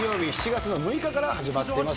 ７月の６日から始まってますが。